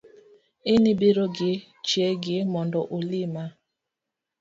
In ibiro gi chiegi mondo ulima